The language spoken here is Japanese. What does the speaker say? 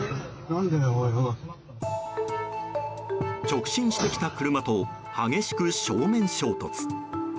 直進してきた車と激しく正面衝突。